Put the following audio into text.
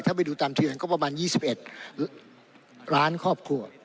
ถ้าไปดูตามเทียนก็ประมาณ๒๑ล้านครอบครัว